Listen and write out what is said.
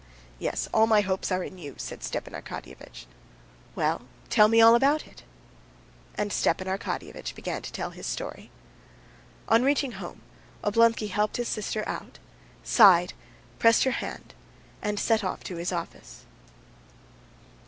"Yes, all my hopes are in you," said Stepan Arkadyevitch. "Well, tell me all about it." And Stepan Arkadyevitch began to tell his story. On reaching home Oblonsky helped his sister out, sighed, pressed her hand, and set off to his office.